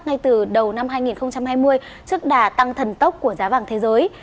ngay từ đầu năm hai nghìn hai mươi trước đà tăng thần tốc của giá vàng thế giới